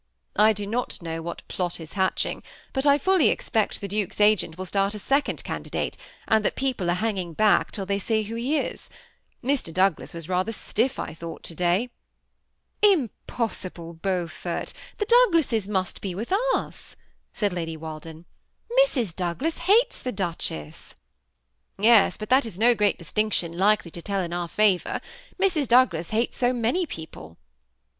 I do not know what plot is hatching, hot I fully expect the duke's agent will start a second candidate, and that people are hanging back till they see who he is« Mr. Douglas was rather stiff, I thought, to day." '^Impossible, 'BesMfort; the Douglases must be with us," said Lady Walden. ''Mrs. Douglas hates the duchess." *^ Yes ; but that is no great distinction likely to tell in our favor. Mrs. Douglas hates so many people."